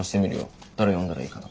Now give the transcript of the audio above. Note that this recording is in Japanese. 誰呼んだらいいかとか。